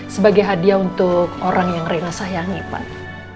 sebagai hadiah untuk orang yang rina sayangi pak